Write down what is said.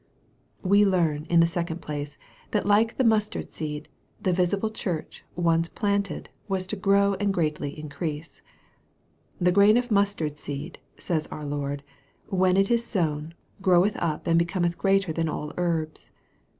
We learn, in the second place, that, like the mustard seed, the visible church, once planted, was to grow and greatly increase. " The grain of mustard seed," says our Lord, " when it is sown, groweth up and becometh greater than all herbs."